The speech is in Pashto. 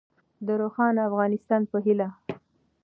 د روښانه افغانستان په هیله.